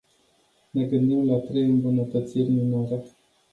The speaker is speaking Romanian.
Ne gândim la trei îmbunătățiri minore.